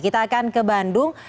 kita akan ke bandung